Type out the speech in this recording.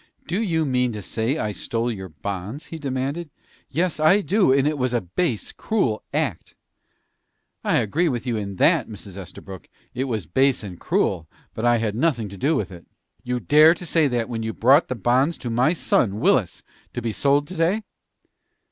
"Do you mean to say I stole your bonds?" he demanded. "Yes, I do; and it was a base, cruel act." "I agree with you in that, Mrs. Estabrook. It was base and cruel, but I had nothing to do with it." "You dare to say that, when you brought the bonds to my son, Willis, to be sold to day?"